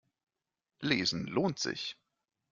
Lesen lohnt sich.